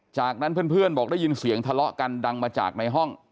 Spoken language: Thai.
จากนั้นเพื่อนบอกได้ยินเสียงทะเลาะกันดังมาจากในห้อง